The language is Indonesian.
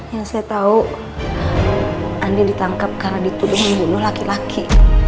yang saya tahu andi ditangkap karena dituduh membunuh laki laki